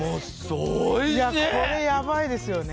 これやばいですよね